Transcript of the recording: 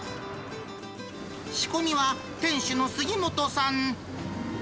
仕込みは店主の杉本さん。